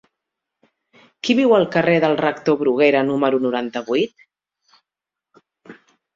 Qui viu al carrer del Rector Bruguera número noranta-vuit?